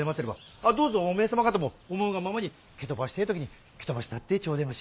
あっどうぞおめえ様方も思うがままに蹴飛ばしてえ時に蹴飛ばしたってちょでまし！